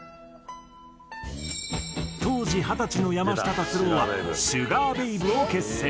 当時二十歳の山下達郎はシュガー・ベイブを結成。